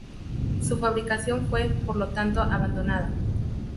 Su fabricación fue, por lo tanto, abandonada.